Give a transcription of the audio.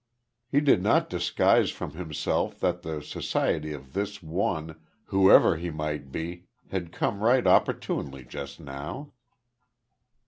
He did not disguise from himself that the society of this one, whoever he might be, had come right opportunely just now.